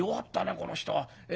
この人は。